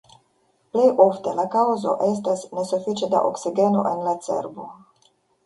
Plej ofte la kaŭzo estas ne sufiĉe da oksigeno en la cerbo.